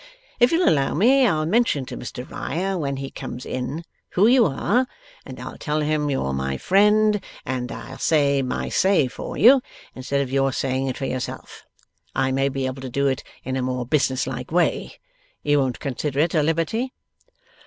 If you'll allow me, I'll mention to Mr Riah when he comes in, who you are, and I'll tell him you're my friend, and I'll say my say for you, instead of your saying it for yourself; I may be able to do it in a more business like way. You won't consider it a liberty?